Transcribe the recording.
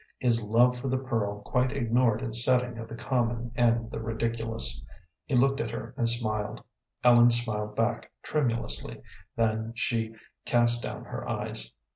His love for the pearl quite ignored its setting of the common and the ridiculous. He looked at her and smiled. Ellen smiled back tremulously, then she cast down her eyes.